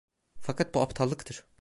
Fakat bu aptallıktır.